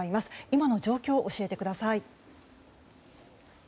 今の状況を教えてください。